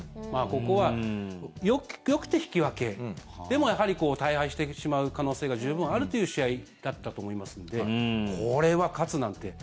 ここは、よくて引き分けでも、大敗してしまう可能性が十分あるという試合だったと思いますのでこれは勝つなんて。